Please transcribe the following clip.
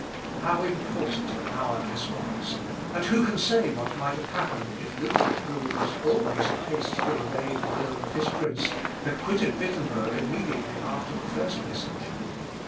How important an hour this was; and who can say what might have happened if Luther, who was always in haste to obey the will of his prince, had quitted Wittemberg immediately after the first message?